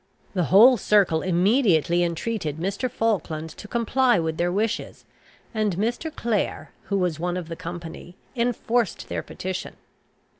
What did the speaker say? The whole circle immediately entreated Mr. Falkland to comply with their wishes, and Mr. Clare, who was one of the company, enforced their petition.